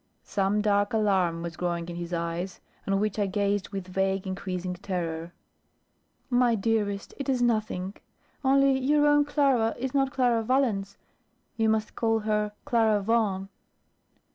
Some dark alarm was growing in his eyes, on which I gazed with vague increasing terror. "Why, dearest, it is nothing. Only your own Clara is not Clara Valence; you must call her 'Clara Vaughan.